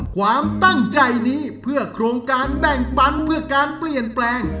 ความตั้งใจนี้เพื่อโครงการแบ่งปันเพื่อการเปลี่ยนแปลง